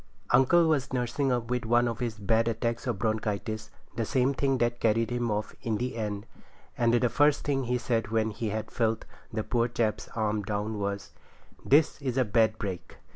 Uncle was nursing up with one of his bad attacks of bronchitis, the same thing that carried him off in the end, and the first thing he said when he'd felt the poor chap's arm down was— 'This is a bad break.